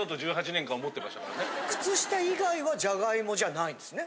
靴下以外はじゃがいもじゃないんですね？